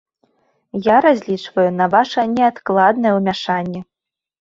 Я разлічваю на ваша неадкладнае ўмяшанне.